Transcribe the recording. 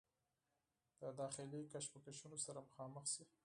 د داخلي کشمکشونو سره مخامخ شي